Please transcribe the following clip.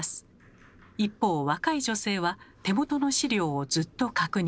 一方若い女性は手元の資料をずっと確認。